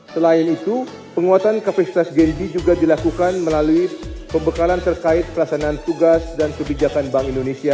selain itu penguatan kapasitas genji juga dilakukan melalui pembekalan terkait pelaksanaan tugas dan kebijakan bank indonesia